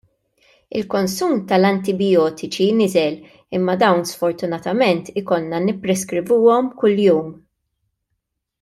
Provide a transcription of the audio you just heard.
Il-konsum tal-antibijotiċi nieżel imma dawn sfortunatament ikollna nippreskrivuhom kuljum!